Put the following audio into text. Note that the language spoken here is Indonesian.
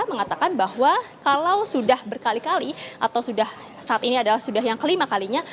mengatakan bahwa kalau sudah berkali kali atau sudah saat ini adalah sudah yang kelima kalinya